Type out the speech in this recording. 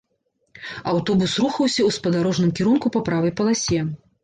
Аўтобус рухаўся ў спадарожным кірунку па правай паласе.